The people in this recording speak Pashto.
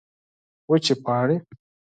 وچې پاڼې